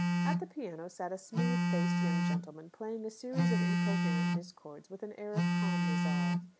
At the piano sat a smooth faced young gentleman playing a series of incoherent discords with an air of calm resolve.